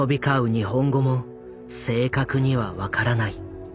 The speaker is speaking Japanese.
日本語も正確には分からない。